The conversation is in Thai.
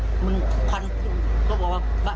คุณยายไม่ได้เอาไฟหมดเลยค่ะ